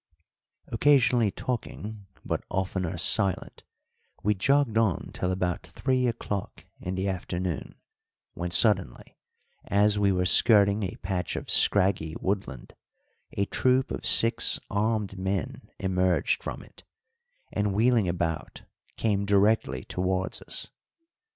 Occasionally talking, but oftener silent, we jogged on till about three o'clock in the afternoon, when suddenly, as we were skirting a patch of scraggy woodland, a troop of six armed men emerged from it, and, wheeling about, came directly towards us.